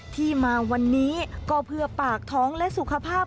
ที่มาวันนี้ก็เพื่อปากท้องและสุขภาพ